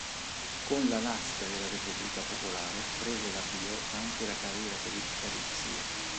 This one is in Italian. Con la nascita della Repubblica popolare, prese l'avvio anche la carriera politica di Xie.